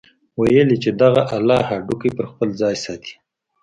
ويل يې چې دغه اله هډوکي پر خپل ځاى ساتي.